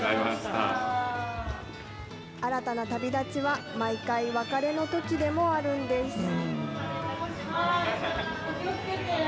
新たな旅立ちは、毎回、別れのときでもあるんです。